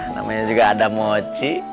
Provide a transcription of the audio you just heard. namanya juga adam moci